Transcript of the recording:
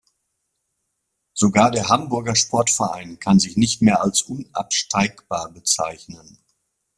Sogar der Hamburger Sportverein kann sich nicht mehr als unabsteigbar bezeichnen.